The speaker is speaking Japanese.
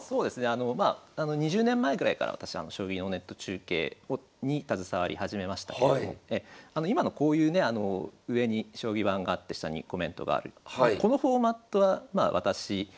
あのまあ２０年前ぐらいから私あの将棋のネット中継に携わり始めましたけれども今のこういうね上に将棋盤があって下にコメントがあるっていうこのフォーマットはまあ私が。